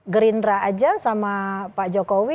gerindra aja sama pak jokowi